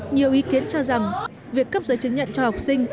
nhiều ý kiến cho rằng việc cấp giấy chứng nhận cho học sinh